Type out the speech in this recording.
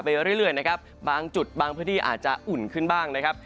เรื่อยนะครับบางจุดบางพื้นที่อาจจะอุ่นขึ้นบ้างนะครับ